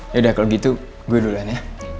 yaudah kalau gitu gue duluan ya